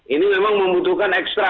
ini memang membutuhkan ekstra